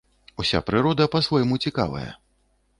Уся прырода па-свойму цікавая.